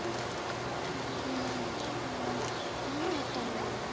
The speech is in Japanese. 今の何だったんだろう？